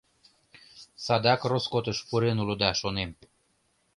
Садак роскотыш пурен улыда, шонем...